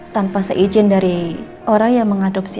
tanpa seizin dari orang yang mengadopsi